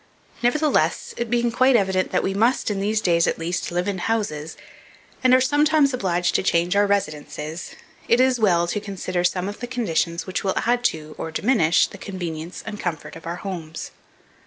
Nevertheless, it being quite evident that we must, in these days at least, live in houses, and are sometimes obliged to change our residences, it is well to consider some of the conditions which will add to, or diminish, the convenience and comfort of our homes.